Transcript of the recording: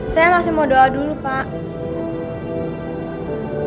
saya masih mau doa dulu pak